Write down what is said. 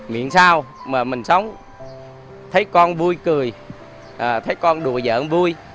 miệng sao mà mình sống thấy con vui cười thấy con đùa giỡn vui